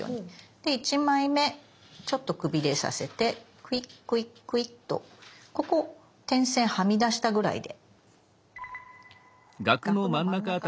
で１枚目ちょっとくびれさせてクイックイックイッとここ点線はみ出したぐらいで。